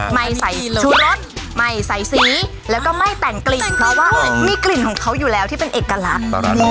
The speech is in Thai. ไม่ใส่ชูรสไม่ใส่สีแล้วก็ไม่แต่งกลิ่นเพราะว่ามีกลิ่นของเขาอยู่แล้วที่เป็นเอกลักษณ์